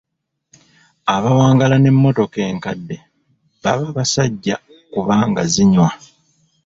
Abawangaala n'emmotoka enkadde baba basajja kubanga zinywa.